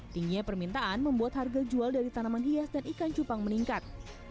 tingginya permintaan membuat harga jual dari tanaman hias dan ikan cupang meningkat